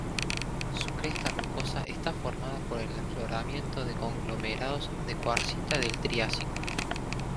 Su cresta rocosa está formada por el afloramiento de conglomerados de cuarcita del triásico.